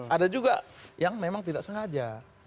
ada juga yang memang tidak sengaja